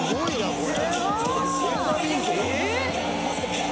これ！